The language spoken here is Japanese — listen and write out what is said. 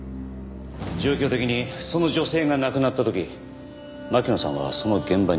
状況的にその女性が亡くなった時巻乃さんはその現場にいた。